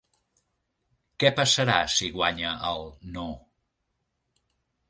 Què passarà si guanya el ‘no’?